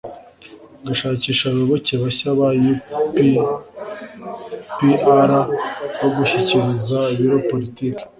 Gushakisha abayoboke bashya ba U D P R bo gushyikiriza Biro Politiki